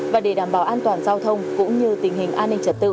và để đảm bảo an toàn giao thông cũng như tình hình an ninh trật tự